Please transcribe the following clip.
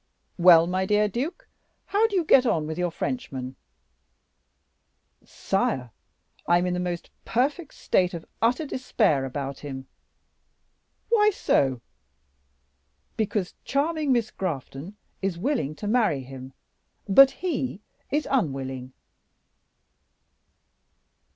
"Well, my dear duke, how do you get on with your Frenchman?" "Sire, I am in the most perfect state of utter despair about him." "Why so?" "Because charming Miss Grafton is willing to marry him, but he is unwilling."